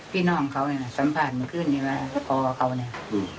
พี่น้องเขาเนี่ยสัมผัสมัยขึ้นว่าพ่อเขาเนี่ย